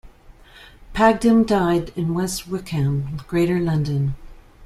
Padgham died in West Wickham, Greater London.